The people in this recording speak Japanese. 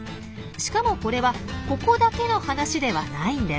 しかもこれはここだけの話ではないんです。